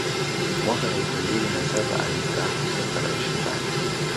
mwaka elfu mbili na saba alistaafu soka la ushindani